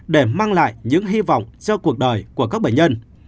để mang lại những hy vọng cho cuộc đời của các bệnh nhân